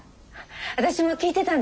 私も聴いてたんですよ